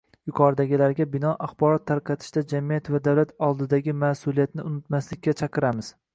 Yuqoridagilarga binoan, axborot tarqatishda jamiyat va davlat oldidagi mas'uliyatni unutmaslikka chaqiramiz